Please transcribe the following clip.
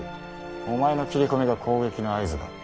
お前の斬り込みが攻撃の合図だ。